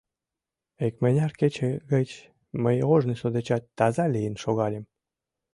Икмыняр кече гыч мый ожнысо дечат таза лийын шогальым.